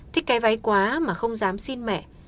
thích cái váy quá mà không dám xin mẹ